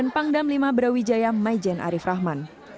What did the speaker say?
pangdam lima brawijaya maijen arief rahman